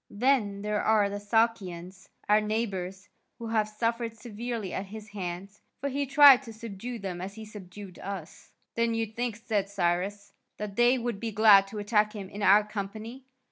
Then there are the Sakians, our neighbours, who have suffered severely at his hands, for he tried to subdue them as he subdued us." "Then you think," said Cyrus, "that they would be glad to attack him in our company?"